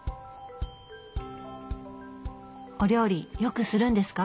お料理よくするんですか？